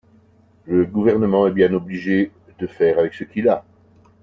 Le Gouvernement est bien obligé de faire avec ce qu’il a.